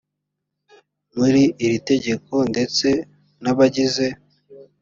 muli iri tegeko ndetse n abagize